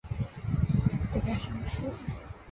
褓与日本的风吕敷比较相似。